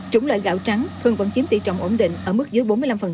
chủng loại gạo trắng thường vẫn chiếm tỷ trọng ổn định ở mức dưới bốn mươi năm